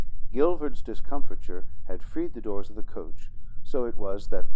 Guilford's discomfiture had freed the doors of the coach; so it was that when M.